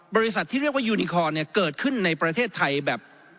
บริษัทที่เรียกว่ายูนิคอนเนี่ยเกิดขึ้นในประเทศไทยแบบ